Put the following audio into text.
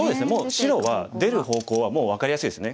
白は出る方向はもう分かりやすいですね。